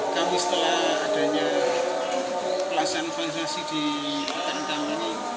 kami setelah adanya pelaksanaan vaksinasi di pertanian taman ini